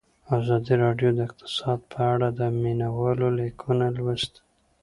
ازادي راډیو د اقتصاد په اړه د مینه والو لیکونه لوستي.